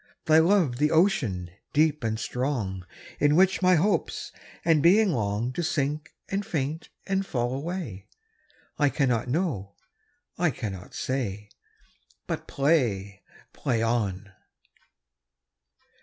Thy love the ocean, deep and strong, In which my hopes and being longTo sink and faint and fail away?I cannot know. I cannot say. But play, play on.